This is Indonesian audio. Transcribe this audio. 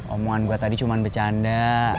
omongan gue tadi cuma bercanda